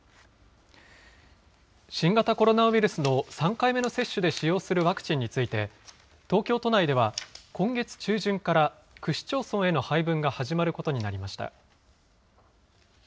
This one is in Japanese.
新型コロナウイルスの３回目の接種で使用するワクチンについて、東京都内では、今月中旬から区市町村への配分が始まることになりました。